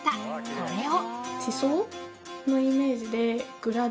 これを。